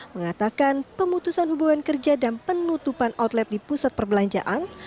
mengatakan pemutusan hubungan kerja dan penutupan outlet di pusat perbelanjaan